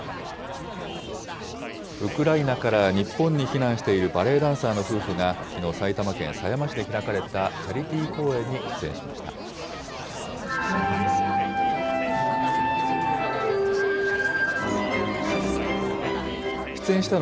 ウクライナから日本に避難しているバレエダンサーの夫婦が、きのう、埼玉県狭山市で開かれたチャリティー公演に出演しました。